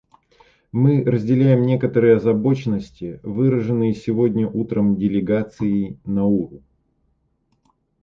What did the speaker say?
Мы разделяем некоторые озабоченности, выраженные сегодня утром делегаций Науру.